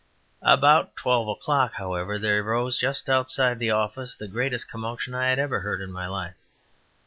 About twelve o'clock, however, there arose just outside the office the greatest commotion I had ever heard in my life.